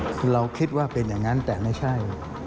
คือเราคิดว่าเป็นอย่างนั้นแต่ไม่ใช่